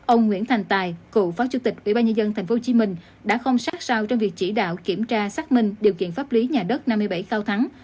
ông nguyễn thành tài cựu phó chủ tịch ủy ban nhân dân tp hcm đã không sát sao trong việc chỉ đạo kiểm tra xác minh điều kiện pháp lý nhà đất năm mươi bảy cao thắng